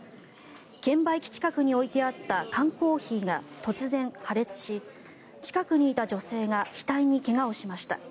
券売機近くに置いてあった缶コーヒーが突然、破裂し近くにいた女性が額に怪我をしました。